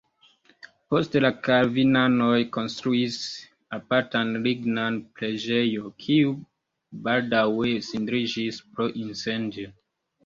Poste la kalvinanoj konstruis apartan lignan preĝejon, kiu baldaŭe cindriĝis pro incendio.